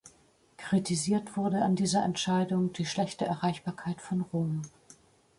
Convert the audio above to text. Kritisiert wurde an dieser Entscheidung die schlechte Erreichbarkeit von Rom.